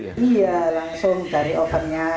iya langsung dari ovennya